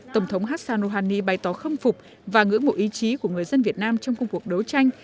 tổng thống hassan rouhani bày tỏ khâm phục và ngưỡng mộ ý chí của người dân việt nam trong công cuộc đấu tranh